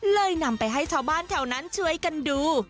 นำไปให้ชาวบ้านแถวนั้นช่วยกันดู